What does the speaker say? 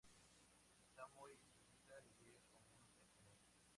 Está muy extendida y es común en general.